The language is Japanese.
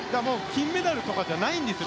金メダルとかじゃないんですよ。